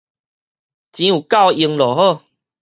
錢有夠用就好